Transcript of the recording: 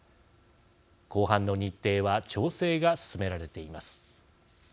公判の日程は調整が進められています。